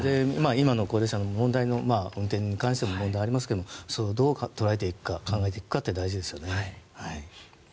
今の高齢者の運転に関しても問題はありますがそれをどう捉えていくか考えていくかが大事ですよね。